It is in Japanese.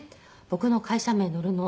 僕の会社名載るの？